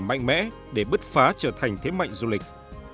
mạnh mẽ để bứt phá trở thành thế mạnh du lịch